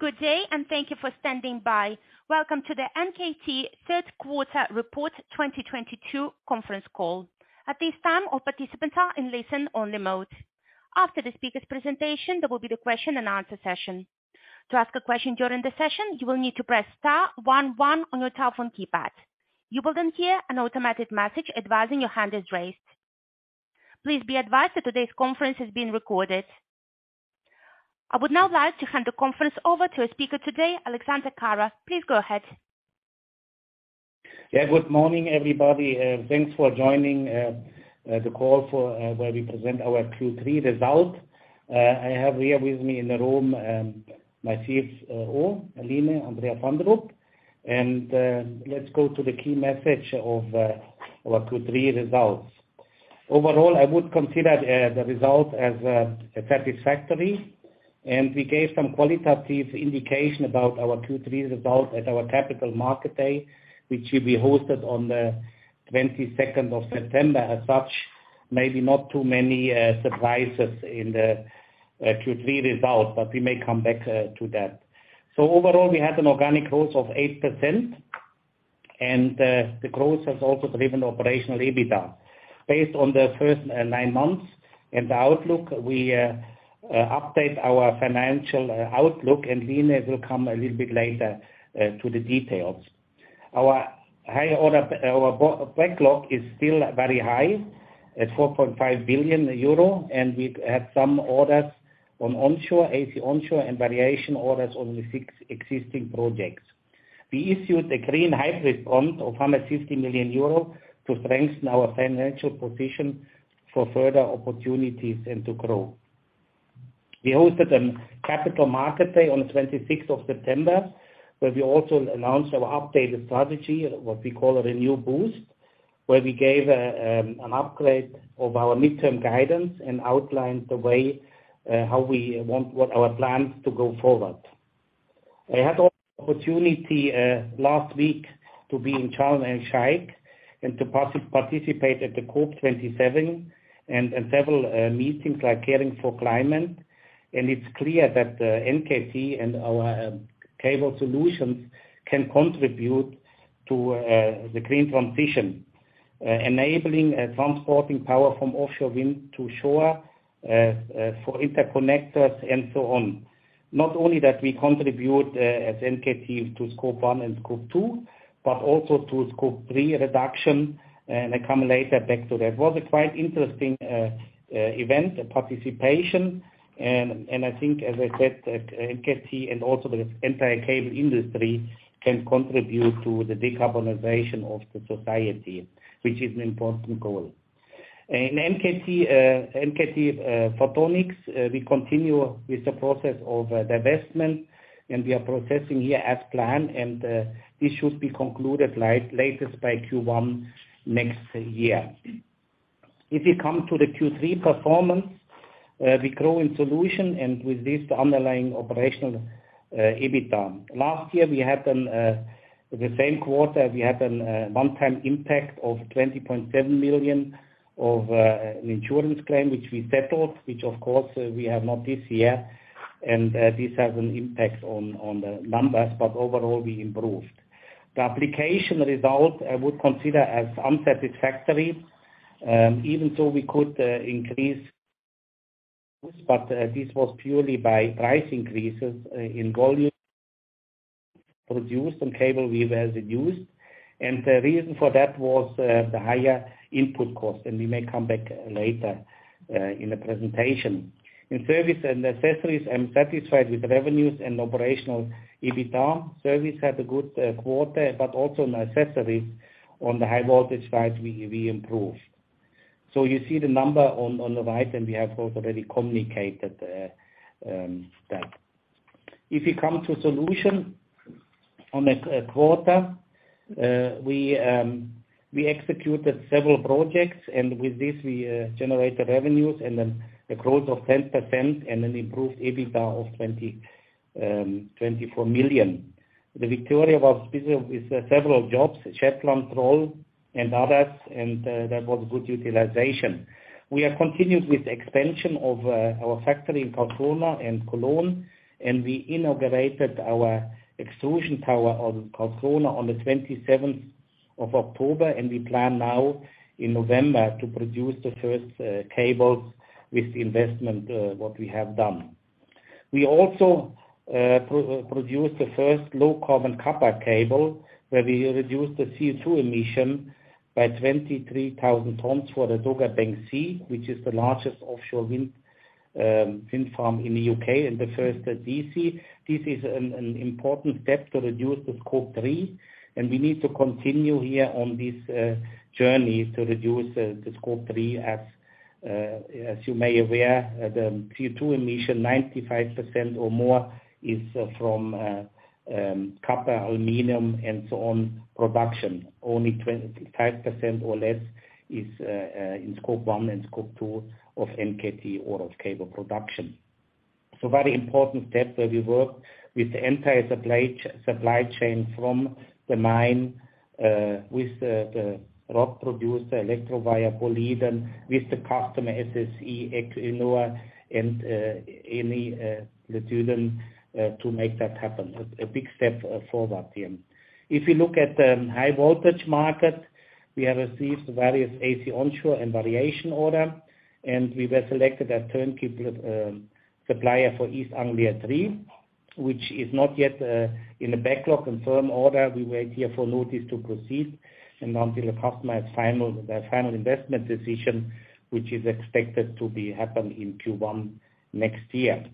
Good day, and thank you for standing by. Welcome to the NKT third quarter report 2022 conference call. At this time, all participants are in listen only mode. After the speaker's presentation, there will be the question-and-answer session. To ask a question during the session, you will need to press star one one on your telephone keypad. You will then hear an automatic message advising your hand is raised. Please be advised that today's conference is being recorded. I would now like to hand the conference over to a speaker today, Alexander Kara. Please go ahead. Yeah, good morning, everybody. Thanks for joining the call for where we present our Q3 result. I have here with me in the room my CFO, Line Andrea Fandrup. Let's go to the key message of our Q3 results. Overall, I would consider the result as satisfactory, and we gave some qualitative indication about our Q3 result at our capital market day, which will be hosted on the 22nd of September. As such, maybe not too many surprises in the Q3 result, but we may come back to that. Overall, we had an organic growth of 8%, and the growth has also driven operational EBITDA based on the first nine months. In the outlook, we update our financial outlook, and Line will come a little bit later to the details. Our order backlog is still very high at 4.5 billion euro, and we had some orders from onshore, AC onshore and variation orders on the six existing projects. We issued a green hybrid bond of 150 million euro to strengthen our financial position for further opportunities and to grow. We hosted a Capital Market Day on the 26th of September, where we also announced our updated strategy, what we call ReNew BOOST, where we gave an upgrade of our midterm guidance and outlined the way how we want what our plans to go forward. I had opportunity last week to be in Sharm El Sheikh and to participate at the COP27 and several meetings like Caring for Climate. It's clear that NKT and our cable solutions can contribute to the green transition, enabling and transporting power from offshore wind to shore, for interconnectors and so on. Not only that we contribute as NKT to Scope 1 and Scope 2, but also to Scope 3 reduction and I come later back to that. Was a quite interesting event, participation. I think, as I said, NKT and also the entire cable industry can contribute to the decarbonization of the society, which is an important goal. In NKT Photonics, we continue with the process of divestment, and we are progressing as planned, and this should be concluded at the latest by Q1 next year. If you come to the Q3 performance, we grow in Solutions and with this the underlying operational EBITDA. Last year, in the same quarter, we had a one-time impact of 20.7 million of an insurance claim, which we settled, which of course we have not this year. This has an impact on the numbers, but overall, we improved. The Applications result I would consider as unsatisfactory, even though we could increase, but this was purely by price increases in volume produced and cable we've used. The reason for that was the higher input cost, and we may come back later in the presentation. In Service and Accessories, I'm satisfied with revenues and operational EBITDA. Service had a good quarter, but also in accessories on the high voltage side, we improved. You see the number on the right, and we have also already communicated that. If you come to solution on a quarter, we executed several projects, and with this we generated revenues and then a growth of 10% and an improved EBITDA of 24 million. The NKT Victoria was busy with several jobs, Shetland, Troll, and others, and that was good utilization. We have continued with expansion of our factory in Karlskrona and Cologne, and we inaugurated our extrusion tower on Karlskrona on the 27th of October, and we plan now in November to produce the first cables with the investment what we have done. We also produced the first low carbon copper cable, where we reduced the CO2 emission by 23,000 tons for the Dogger Bank C, which is the largest offshore wind farm in the U.K. and the first DC. This is an important step to reduce the Scope 3, and we need to continue here on this journey to reduce the Scope 3. As you may aware, the CO2 emission 95% or more is from copper, aluminum, and so on production. Only 25% or less is in Scope 1 and Scope 2 of NKT or of cable production. Very important step where we work with the entire supply chain from the mine with the rod producer, Electrovaya, Boliden, with the customer SSEN, Equinor, and Aker, [Ledoulen, to make that happen. A big step forward here. If you look at the high voltage market, we have received various AC onshore and variation order, and we were selected as turnkey East Anglia THREE, which is not yet in the backlog and firm order. We wait here for notice to proceed, and until the customer has the final investment decision, which is expected to be happen in Q1 next year.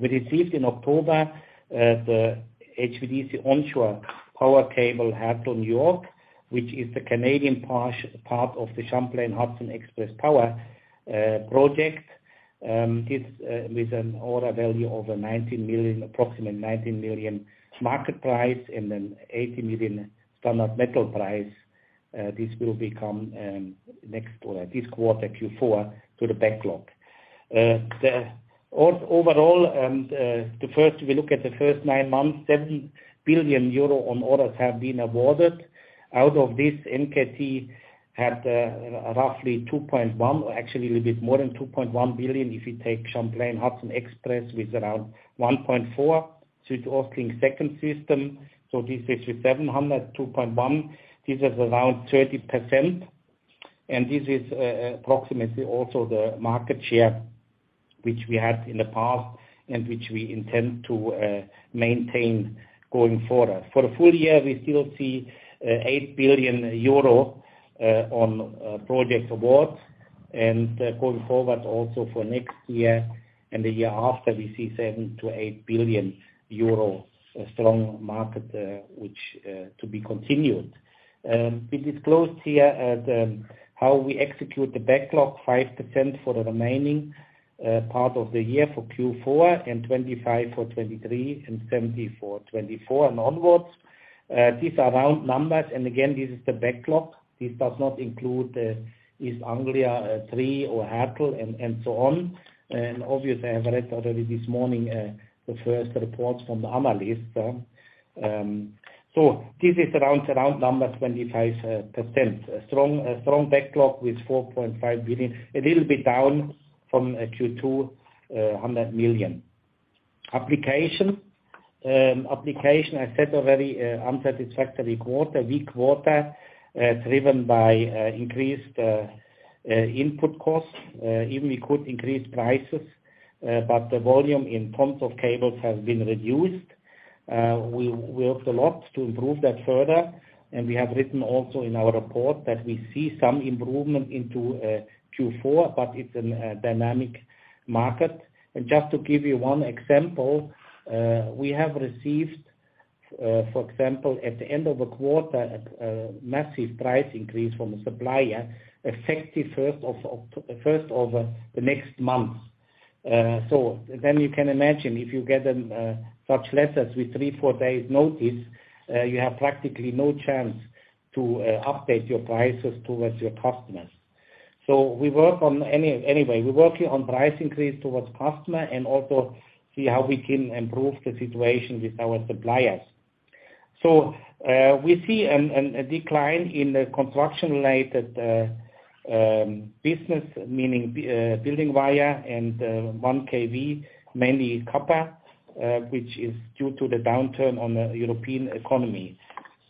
We received in October the HVDC onshore power cable Hartlepool to York, which is the Canadian portion of the Champlain Hudson Power Express project. This with an order value of 19 million, approximately 19 million market price and an 80 million standard metal price, this will become next or this quarter, Q4 to the backlog. Overall, we look at the first nine months, 7 billion euro on orders have been awarded. Out of this, NKT had roughly 2.1, or actually a little bit more than 2.1 billion if you take Champlain Hudson Power Express with around 1.4, SuedOstLink second system. So this is 700, 2.1. This is around 30%. This is approximately also the market share which we had in the past and which we intend to maintain going forward. For the full year, we still see 8 billion euro on project awards, and going forward also for next year and the year after, we see 7 billion-8 billion euro strong market, which to be continued. We disclosed here at how we execute the backlog, 5% for the remaining part of the year for Q4, and 25% for 2023, and 70% for 2024 and onwards. These are round numbers, and again, this is the backlog. This does not include East Anglia THREE or Hartlepool and so on. Obviously, I have read already this morning the first reports from the analyst. This is around 25%. A strong backlog with 4.5 billion, a little bit down from Q2, 100 million. Application. Application, I said, a very unsatisfactory quarter, weak quarter, driven by increased input costs. Even we could increase prices, but the volume in terms of cables has been reduced. We worked a lot to improve that further, and we have written also in our report that we see some improvement into Q4, but it's a dynamic market. Just to give you one example, we have received, for example, at the end of the quarter, a massive price increase from a supplier effective first of the next month. You can imagine if you get such letters with three to four days notice, you have practically no chance to update your prices towards your customers. We're working on price increase towards customer and also see how we can improve the situation with our suppliers. We see a decline in the construction-related business, meaning building wire and 1 kV, mainly copper, which is due to the downturn on the European economy.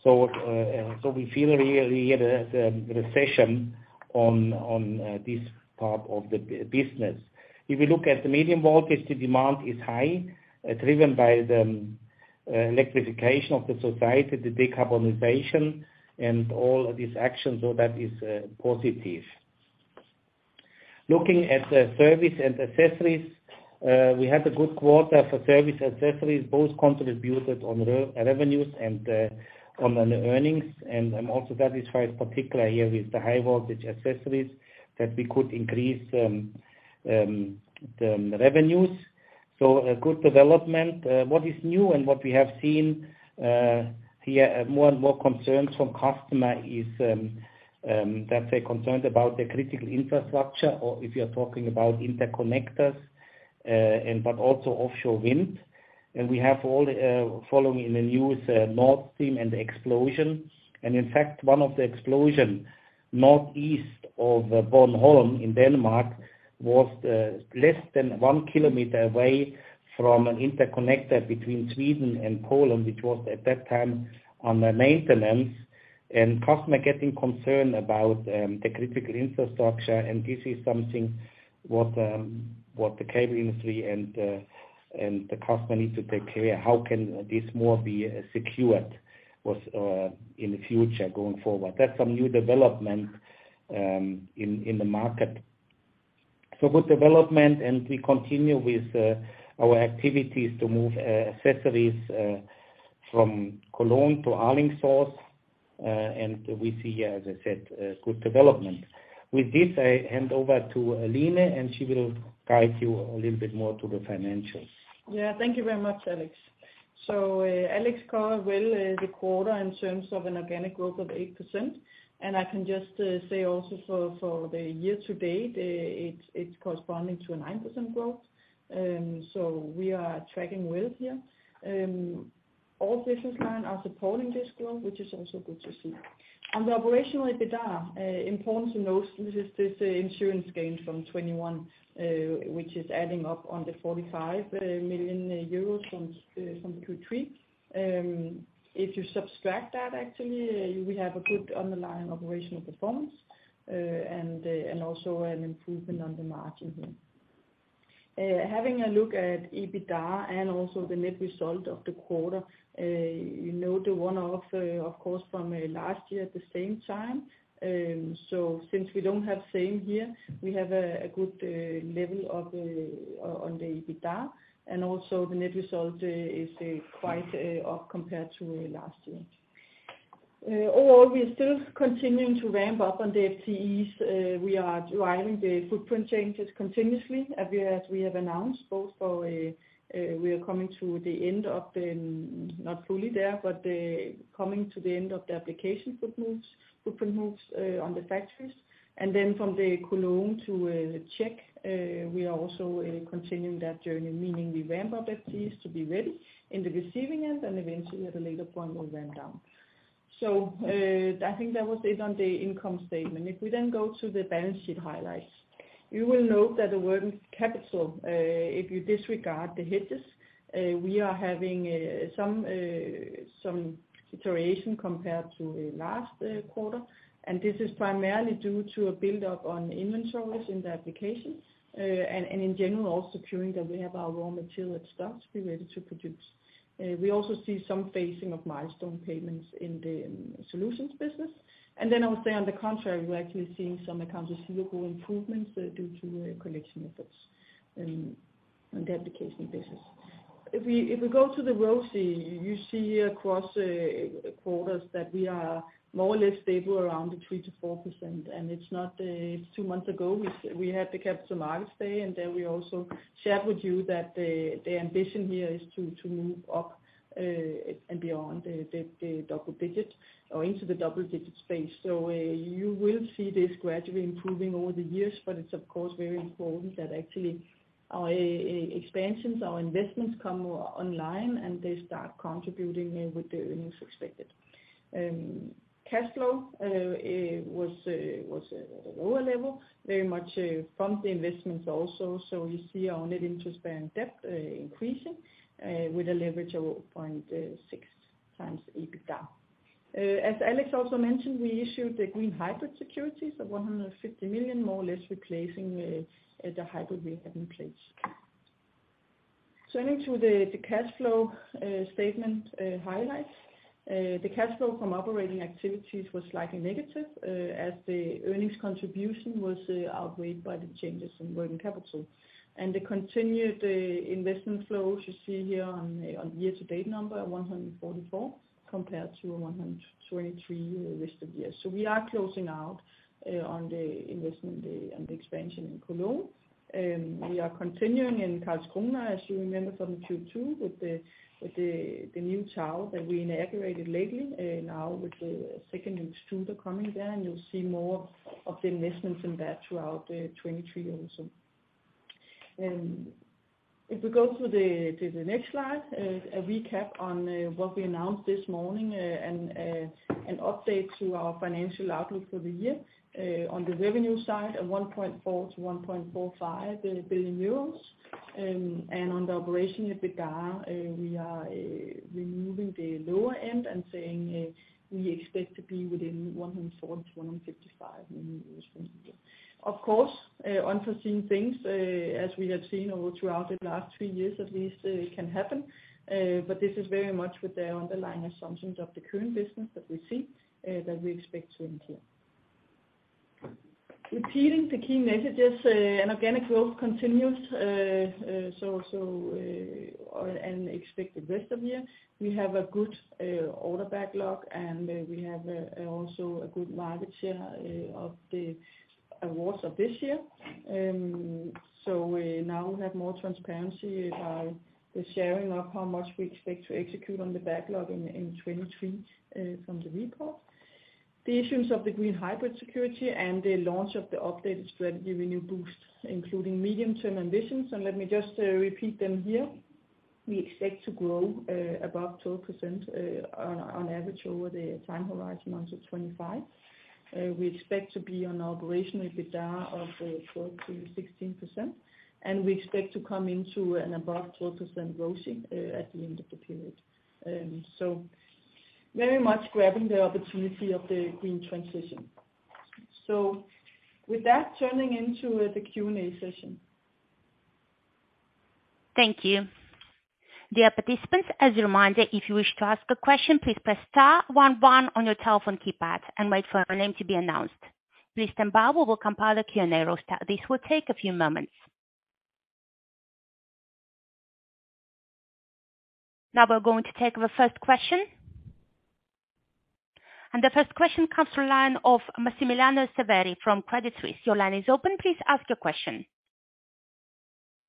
We feel really the recession on this part of the business. If you look at the medium voltage, the demand is high, driven by the electrification of the society, the decarbonization, and all of these actions, so that is positive. Looking at the Service and Accessories, we had a good quarter for service accessories. Both contributed on revenues and on the earnings. I'm also satisfied, particularly here, with the high voltage accessories that we could increase the revenues. A good development. What is new and what we have seen here, more and more concerns from customer is that they're concerned about the critical infrastructure or if you're talking about interconnectors and, but also offshore wind. We have all the following in the news, Nord Stream and the explosion. In fact, one of the explosions Northeast of Bornholm in Denmark was less than 1 km away from an interconnector between Sweden and Poland, which was at that time under maintenance, and customer getting concerned about the critical infrastructure, and this is something that the cable industry and the customer need to take care. How can this be more secured in the future going forward? That's some new development in the market. Good development, and we continue with our activities to move accessories from Cologne to Alingsås, and we see, as I said, a good development. With this, I hand over to Line, and she will guide you a little bit more to the financials. Yeah. Thank you very much, Alex. Alex covered well the quarter in terms of an organic growth of 8%. I can just say also for the year to date, it's corresponding to a 9% growth. We are tracking well here. All business line are supporting this growth, which is also good to see. On the operational EBITDA, important to note this is this insurance gain from 2021, which is adding up on the 45 million euros from Q3. If you subtract that actually, we have a good underlying operational performance, and also an improvement on the margin here. Having a look at EBITDA and also the net result of the quarter, you know the one-off, of course, from last year at the same time. Since we don't have the same here, we have a good level on the EBITDA and also the net result is quite up compared to last year. Overall, we are still continuing to ramp up on the FTEs. We are driving the footprint changes continuously, as we have announced, both for we are coming to the end of the, not fully there, but coming to the end of the footprint moves on the factories. From the Cologne to Czech we are also continuing that journey, meaning we ramp up FTEs to be ready in the receiving end, and eventually at a later point, we'll ramp down. I think that was it on the income statement. If we then go to the balance sheet highlights, you will note that the working capital, if you disregard the hedges, we are having some deterioration compared to last quarter. This is primarily due to a buildup of inventories in the Applications, and in general also ensuring that we have our raw material in stock to be ready to produce. We also see some phasing of milestone payments in the Solutions business. I would say on the contrary, we're actually seeing some accounts receivable improvements due to collection efforts in the Applications business. If we go to the ROCE, you see across quarters that we are more or less stable around 3%-4%. It's not two months ago, we had the capital markets day, then we also shared with you that the ambition here is to move up and beyond the double digit or into the double-digit space. You will see this gradually improving over the years, but it's of course very important that actually our expansions, our investments come online, and they start contributing with the earnings expected. Cash flow was at a lower level, very much from the investments also. You see our net interest-bearing debt increasing with a leverage of 0.6x EBITDA. As Alex also mentioned, we issued the green hybrid securities of 150 million, more or less replacing the hybrid we had in place. Turning to the cash flow statement highlights. The cash flow from operating activities was slightly negative as the earnings contribution was outweighed by the changes in working capital. The continued investment flows you see here on year-to-date number 144 compared to 123 rest of year. We are closing out on the investment on the expansion in Cologne. We are continuing in Karlskrona, as you remember from the Q2, with the new hall that we inaugurated lately, now with the second extruder coming there, and you'll see more of the investments in that throughout 2023 also. If we go to the next slide, a recap on what we announced this morning and an update to our financial outlook for the year. On the revenue side, 1.4 billion-1.45 billion euros. On the operational EBITDA, we are removing the lower end and saying we expect to be within 140 million-155 million from here. Of course, unforeseen things, as we have seen all throughout the last three years at least, can happen. This is very much with the underlying assumptions of the current business that we see, that we expect to enter. Repeating the key messages, and organic growth continues, and expected rest of year. We have a good order backlog, and we also have a good market share of the awards of this year. Now we have more transparency by the sharing of how much we expect to execute on the backlog in 2023 from the report. The issuance of the green hybrid security and the launch of the updated strategy ReNew BOOST, including medium-term ambitions, and let me just repeat them here. We expect to grow above 12% on average over the time horizon out to 2025. We expect to be on operational EBITDA of 12%-16%, and we expect to come into an above 12% ROCE at the end of the period. Very much grabbing the opportunity of the green transition. With that, turning into the Q&A session. Thank you. Dear participants, as a reminder, if you wish to ask a question, please press star one one on your telephone keypad and wait for your name to be announced. Please stand by while we compile a Q&A roster. This will take a few moments. Now we're going to take the first question. The first question comes from line of Massimiliano Severi from Credit Suisse. Your line is open. Please ask your question.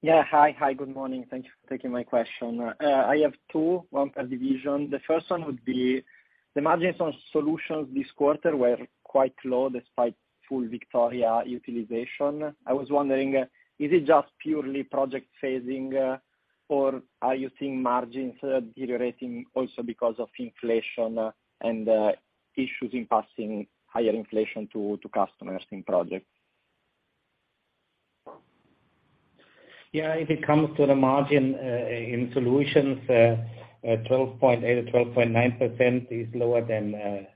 Yeah. Hi. Hi, good morning. Thank you for taking my question. I have two, one per division. The first one would be the margins on solutions this quarter were quite low despite full Victoria utilization. I was wondering, is it just purely project phasing? Are you seeing margins deteriorating also because of inflation and issues in passing higher inflation to customers in projects? Yeah, if it comes to the margin in Solutions at 12.8% or 12.9% is lower than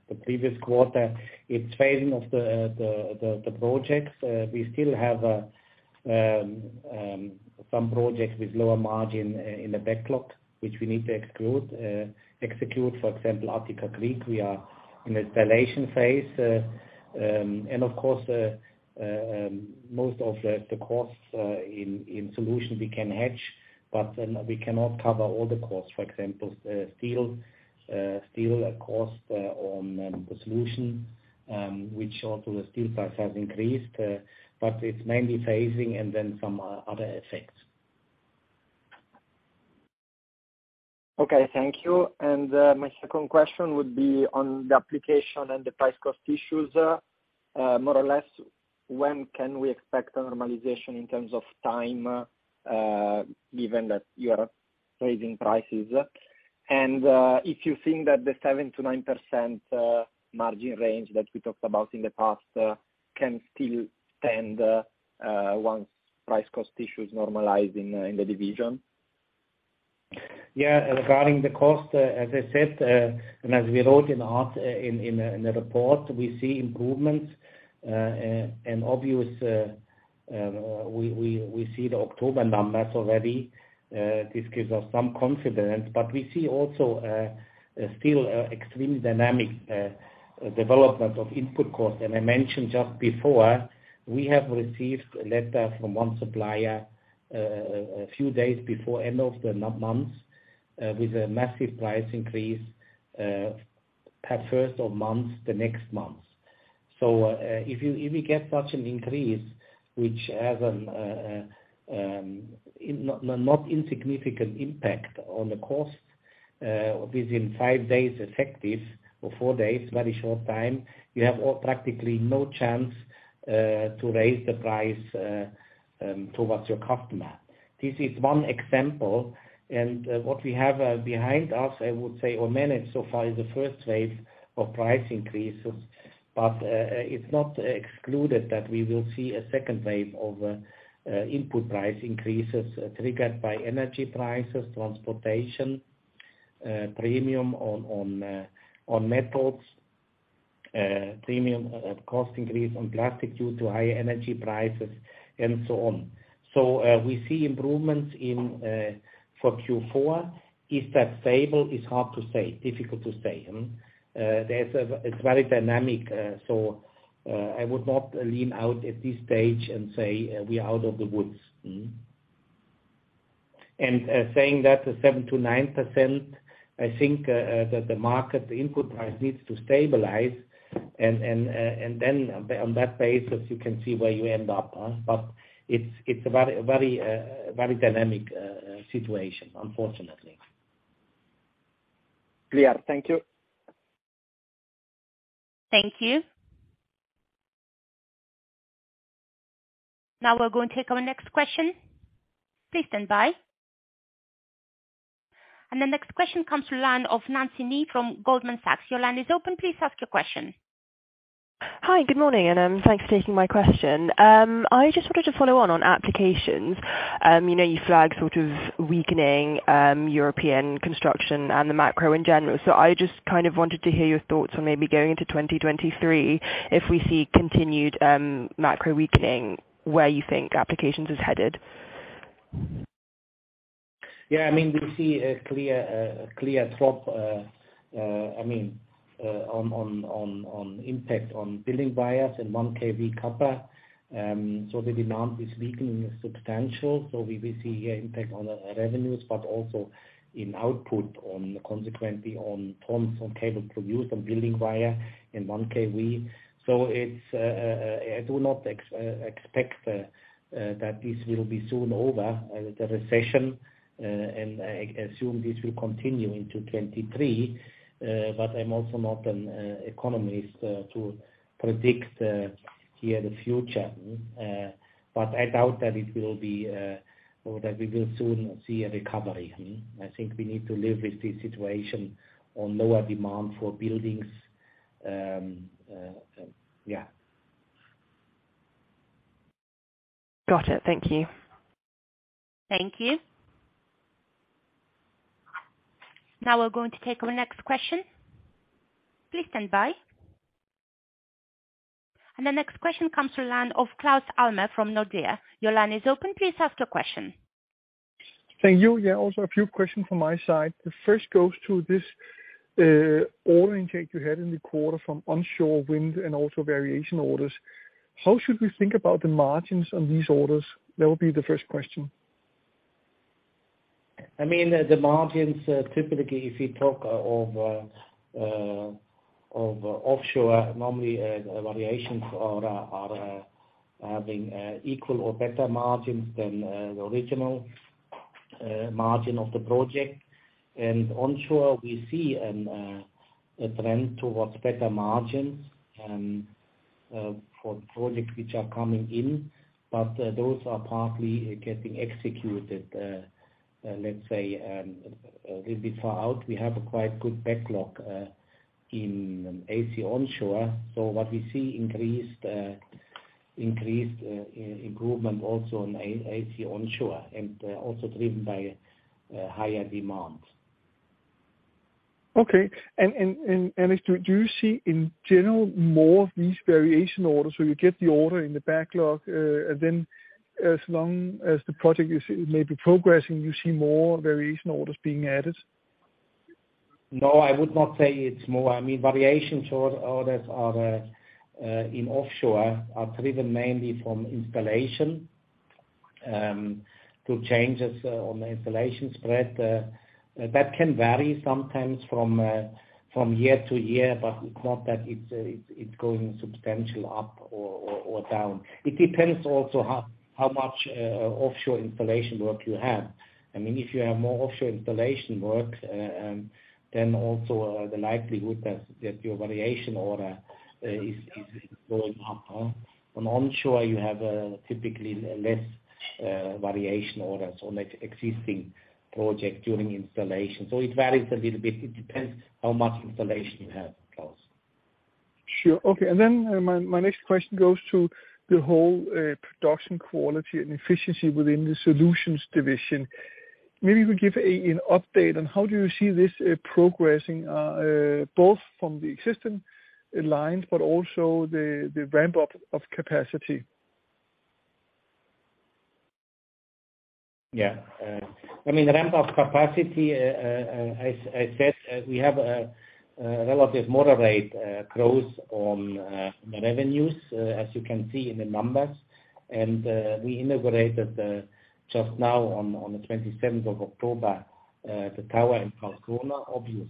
the previous quarter. It's phasing of the projects. We still have some projects with lower margin in the backlog, which we need to execute. For example, Attica-Crete, we are in the installation phase. Of course, most of the costs in Solutions we can hedge, but then we cannot cover all the costs. For example, steel cost on the Solutions, which also the steel price has increased. It's mainly phasing and then some other effects. Okay, thank you. My second question would be on the inflation and the price cost issues. More or less, when can we expect a normalization in terms of time, given that you are raising prices? If you think that the 7%-9% margin range that we talked about in the past can still stand once price cost issues normalize in the division? Yeah. Regarding the cost, as I said, and as we wrote in our report, we see improvements. Obviously, we see the October numbers already. This gives us some confidence. We see also still extremely dynamic development of input costs. I mentioned just before, we have received a letter from one supplier, a few days before end of the month, with a massive price increase at first of month, the next month. If we get such an increase, which has a not insignificant impact on the cost, within five days effective or four days, very short time, you have practically no chance to raise the price towards your customer. This is one example, and what we have behind us, I would say or manage so far is the first wave of price increases. It's not excluded that we will see a second wave of input price increases triggered by energy prices, transportation, premium on metals, premium cost increase on plastic due to high energy prices and so on. We see improvements in for Q4. Is that stable? It's hard to say. Difficult to say. It's very dynamic. I would not lean out at this stage and say we are out of the woods. Saying that 7%-9%, I think, that the market input price needs to stabilize and then on that basis, you can see where you end up. But it's a very dynamic situation, unfortunately. Clear. Thank you. Thank you. Now we're going to take our next question. Please stand by. The next question comes from the line of Nancy Ni from Goldman Sachs. Your line is open. Please ask your question. Hi. Good morning, and thanks for taking my question. I just wanted to follow on applications. You know, you flag sort of weakening European construction and the macro in general. I just kind of wanted to hear your thoughts on maybe going into 2023, if we see continued macro weakening, where you think applications is headed. Yeah. I mean, we see a clear drop. I mean an impact on building wires and 1 kV copper. So the demand is weakening substantially. So we will see an impact on revenues but also on output and consequently on tons of cable produced, building wire and 1 kV. So I do not expect that this will soon be over, the recession, and I assume this will continue into 2023. But I'm also not an economist to predict the future. But I doubt that it will be or that we will soon see a recovery. I think we need to live with this situation of lower demand for building wires. Yeah. Got it. Thank you. Thank you. Now we're going to take our next question. Please stand by. The next question comes from the line of Claus Almer from Nordea. Your line is open. Please ask your question. Thank you. Yeah, also a few questions from my side. The first goes to this order intake you had in the quarter from onshore wind and also variation orders. How should we think about the margins on these orders? That would be the first question. I mean, the margins typically if you talk of offshore, normally, variations are having equal or better margins than the original margin of the project. Onshore, we see a trend towards better margins. For projects which are coming in, but those are partly getting executed, let's say, a little bit far out. We have a quite good backlog in AC onshore. What we see increased improvement also in AC onshore and also driven by higher demand. Okay. Do you see in general more of these variation orders where you get the order in the backlog, and then as long as the project is maybe progressing, you see more variation orders being added? No, I would not say it's more. I mean, variation orders are in offshore are driven mainly from installation through changes on the installation spread. That can vary sometimes from year to year, but it's not that it's going substantial up or down. It depends also how much offshore installation work you have. I mean, if you have more offshore installation work, then also the likelihood that your variation order is going up. On onshore, you have typically less variation orders on existing project during installation. It varies a little bit. It depends how much installation you have, Claus. Sure. Okay. My next question goes to the whole production quality and efficiency within the solutions division. Maybe you could give an update on how do you see this progressing both from the existing lines but also the ramp up of capacity. Yeah. I mean, ramp up capacity, as said, we have a relatively moderate growth on the revenues, as you can see in the numbers. We integrated just now on the 27th of October the tower in Karlskrona. Obviously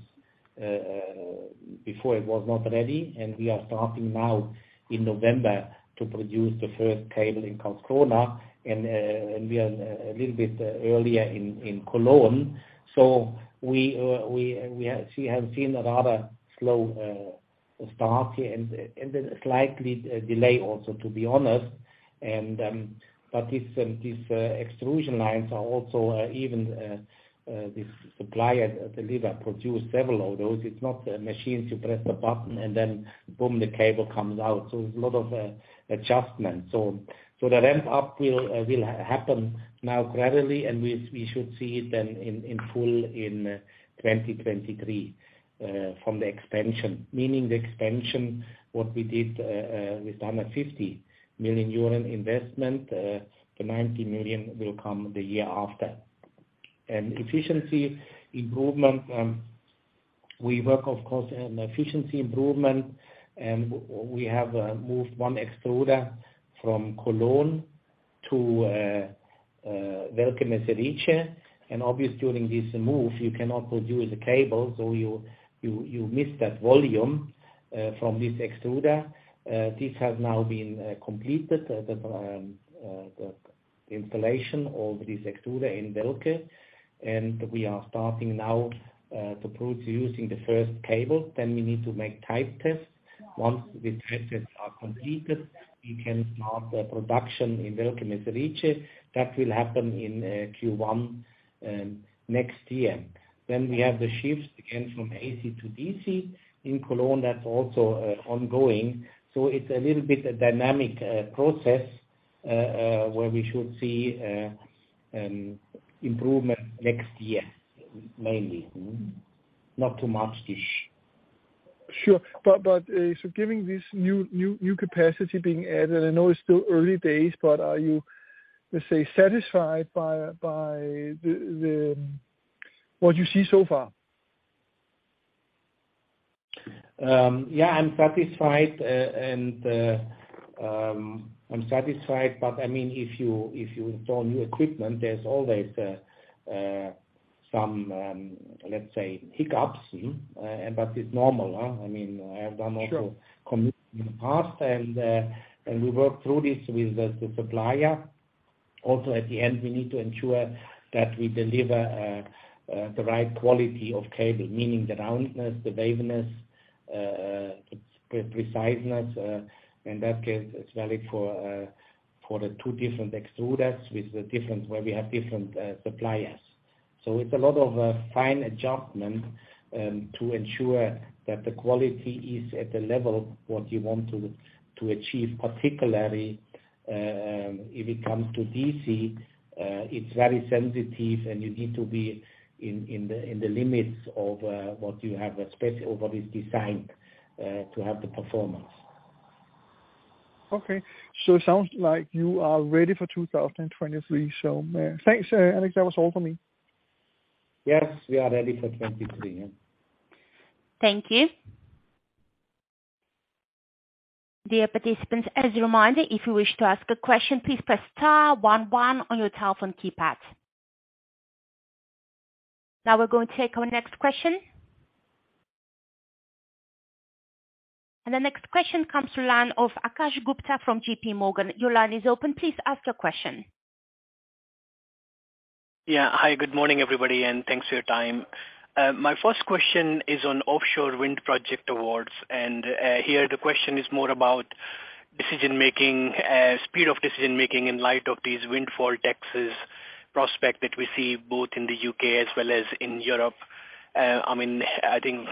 before it was not ready, and we are starting now in November to produce the first cable in Karlskrona. We are a little bit earlier in Cologne. So we have seen a rather slow start here and a slight delay also, to be honest. But these extrusion lines are also even the suppliers believe are produced several of those. It's not a machine to press a button and then boom, the cable comes out. There's a lot of adjustment. The ramp up will happen now gradually, and we should see it then in full in 2023 from the expansion. Meaning the expansion, what we did, with the 150 million euro investment, the 90 million will come the year after. Efficiency improvement, we work of course on efficiency improvement, and we have moved one extruder from Cologne to Velké Meziříčí. Obviously during this move you cannot produce a cable, so you miss that volume from this extruder. This has now been completed, the installation of this extruder in Velké Meziříčí. We are starting now to produce using the first cable. We need to make type tests. Once the type tests are completed, we can start the production in Velké Meziříčí. That will happen in Q1 next year. We have the shifts again from AC to DC. In Cologne that's also ongoing. It's a little bit of a dynamic process where we should see improvement next year, mainly. Not too much this. Sure. Given this new capacity being added, I know it's still early days, but are you, let's say, satisfied with what you see so far? Yeah, I'm satisfied, but I mean, if you install new equipment, there's always some, let's say, hiccups. It's normal, huh? I mean, I have done also Sure. Communicate in the past and we work through this with the supplier. Also, at the end, we need to ensure that we deliver the right quality of cable, meaning the roundness, the waviness, precision. In that case, it’s valid for the two different extruders with the different where we have different suppliers. It’s a lot of fine adjustment to ensure that the quality is at the level what you want to achieve, particularly if it comes to DC. It’s very sensitive and you need to be in the limits of what you have, especially what is designed to have the performance. Okay. It sounds like you are ready for 2023. Thanks, Alex. That was all for me. Yes, we are ready for 2023, yeah. Thank you. Dear participants, as a reminder, if you wish to ask a question, please press star one one on your telephone keypad. Now we're going to take our next question. The next question comes from the line of Akash Gupta from JPMorgan. Your line is open. Please ask your question. Yeah. Hi, good morning, everybody, and thanks for your time. My first question is on offshore wind project awards, and here the question is more about decision-making, speed of decision-making in light of these windfall taxes prospects that we see both in the U.K. as well as in Europe. I mean, I think,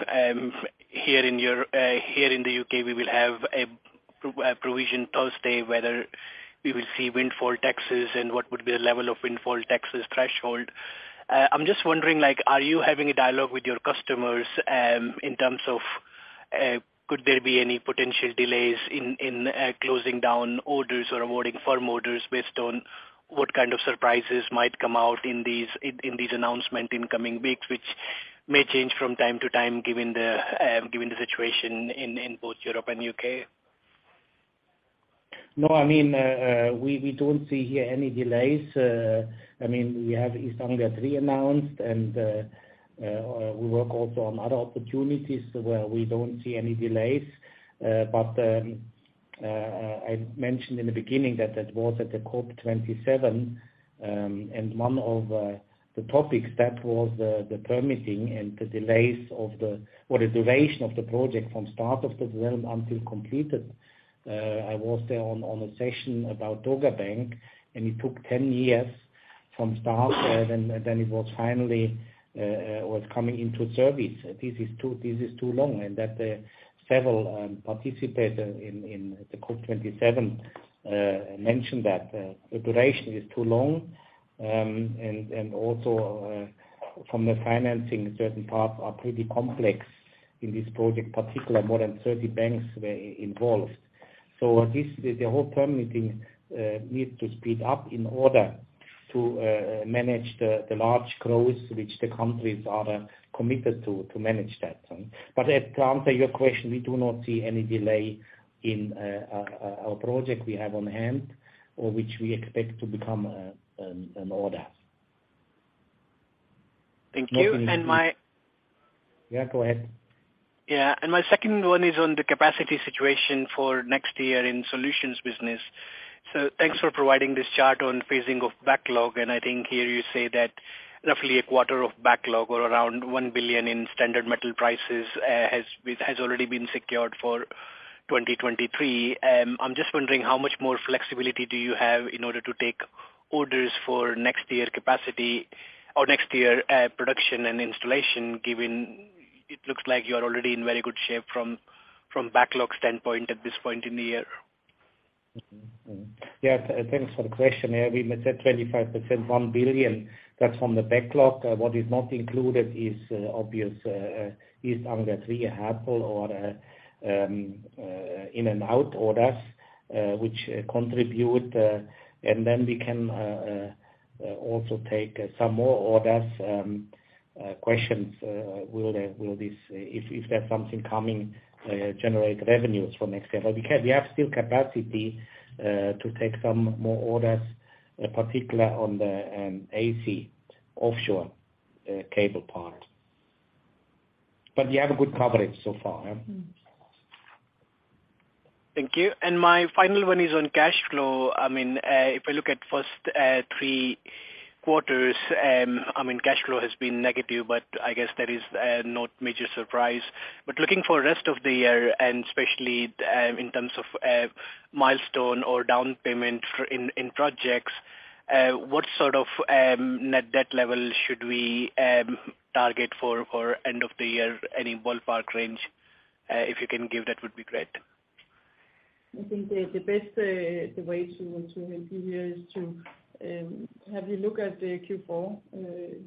here in the U.K., we will have a provision Thursday whether we will see windfall taxes and what would be the level of windfall taxes threshold. I'm just wondering, like, are you having a dialogue with your customers, in terms of, could there be any potential delays in closing down orders or awarding firm orders based on what kind of surprises might come out in these announcements in coming weeks which may change from time to time given the situation in both Europe and U.K.? No, I mean, we don't see here any delays. I mean, we have East Anglia THREE announced, and we work also on other opportunities where we don't see any delays. I mentioned in the beginning that that was at the COP27, and one of the topics that was the permitting and the delays of the, or the duration of the project from start of the development until completed. I was there in a session about Dogger Bank, and it took 10 years from start, then it was finally coming into service. This is too long, and several participants in the COP27 mentioned that the duration is too long. From the financing, certain parts are pretty complex in this particular project. More than 30 banks were involved. This, the whole permitting needs to speed up in order to manage the large growth which the countries are committed to manage that. To answer your question, we do not see any delay in our project we have on hand or which we expect to become an order. Thank you. Yeah, go ahead. Yeah. My second one is on the capacity situation for next year in solutions business. Thanks for providing this chart on phasing of backlog. I think here you say that roughly a quarter of backlog or around 1 billion in standard metal prices has already been secured for 2023. I'm just wondering how much more flexibility do you have in order to take orders for next year capacity or next year production and installation, given it looks like you're already in very good shape from backlog standpoint at this point in the year. Yeah. Thanks for the question. Yeah, we said 25%, 1 billion. That's from the backlog. What is not included is obvious, East Anglia THREE half or in and out orders, which contribute. Then we can also take some more orders. Questions will there will this if there's something coming generate revenues for next year. We have still capacity to take some more orders, in particular on the AC offshore cable part. We have a good coverage so far. Thank you. My final one is on cash flow. I mean, if I look at first three quarters, I mean, cash flow has been negative, but I guess that is not major surprise. Looking for rest of the year, and especially, in terms of milestone or down payment for incoming projects, what sort of net debt level should we target for end of the year? Any ballpark range, if you can give, that would be great. I think the best way to improve here is to have a look at the Q4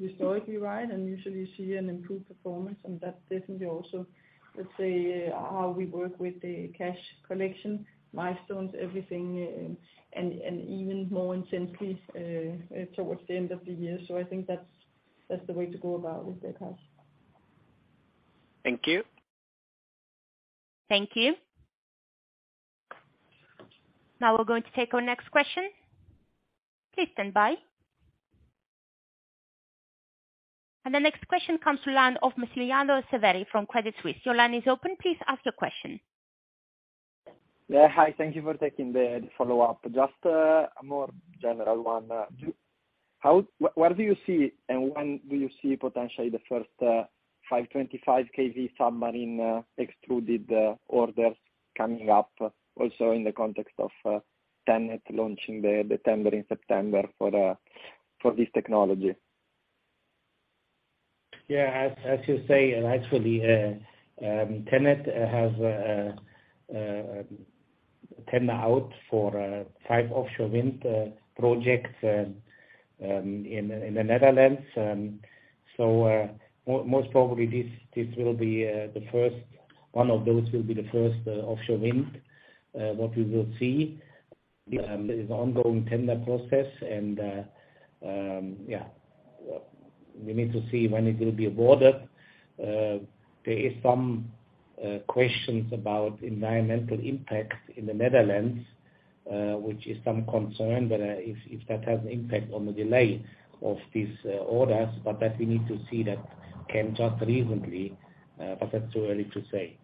historically wide, and usually see an improved performance. That's definitely also, let's say, how we work with the cash collection milestones, everything, and even more intensely towards the end of the year. I think that's the way to go about with the cash. Thank you. Thank you. Now we're going to take our next question. Please stand by. The next question comes to line of Massimiliano Severi from Credit Suisse. Your line is open. Please ask your question. Yeah. Hi. Thank you for taking the follow-up. Just a more general one. Where do you see and when do you see potentially the first 525 kV submarine extruded orders coming up also in the context of TenneT launching the tender in September for this technology? As you say, actually, TenneT has tender out for five offshore wind projects in the Netherlands. Most probably this will be the first one of those will be the first offshore wind what we will see. There is ongoing tender process and. We need to see when it will be awarded. There is some questions about environmental impact in the Netherlands which is some concern that if that has an impact on the delay of these orders, but that we need to see. That came just recently, but that's too early to say.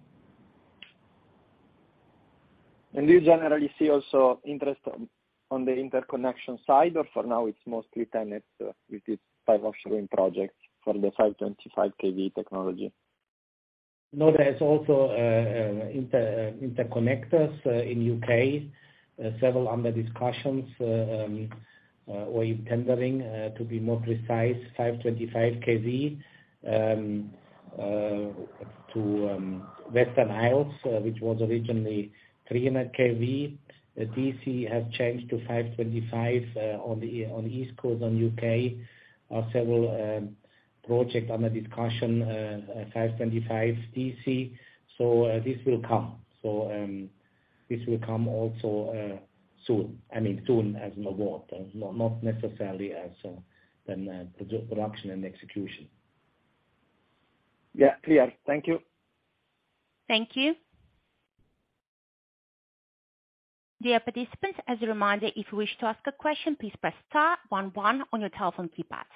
Do you generally see also interest on the interconnection side, or for now it's mostly TenneT with this five offshore wind projects for the 525 kV technology? No, there is also interconnectors in U.K., several under discussions, or in tendering, to be more precise, 525 kV. To Western Isles, which was originally 300 kV. DC has changed to 525, on the East Coast of U.K. Several projects under discussion, 525 DC. This will come. This will come also soon. I mean, soon as an award, not necessarily as a pre-production and execution. Yeah. Clear. Thank you. Thank you. Dear participants, as a reminder, if you wish to ask a question, please press star one one on your telephone keypad.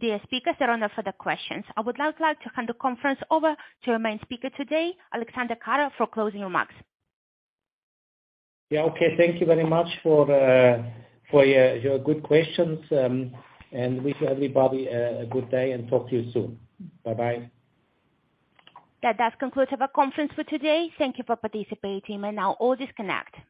Dear speakers, there are no further questions. I would now like to hand the conference over to our main speaker today, Alexander Kara, for closing remarks. Yeah. Okay. Thank you very much for your good questions, and wish everybody a good day and talk to you soon. Bye-bye. That does conclude our conference for today. Thank you for participating. You may now all disconnect. Have a nice day.